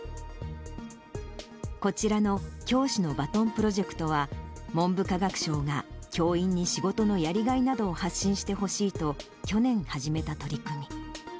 こちらの教師のバトンプロジェクトは、文部科学省が教員に仕事のやりがいなどを発信してほしいと、去年始めた取り組み。